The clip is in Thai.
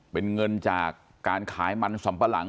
เป็นเงินจากการขายมันสำปะหลัง